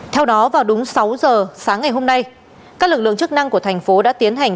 theo đó vào đúng sáu giờ sáng ngày hôm nay các lực lượng chức năng của thành phố đã tiến hành